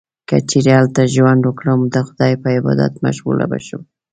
که چیرې هلته ژوند وکړم، د خدای په عبادت مشغوله به شم.